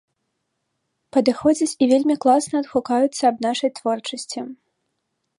Падыходзяць і вельмі класна адгукаюцца аб нашай творчасці.